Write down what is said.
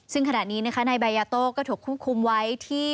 ซึ่งขนาดนี้นายแบรยาโตก็ถูกคุ้มไว้ที่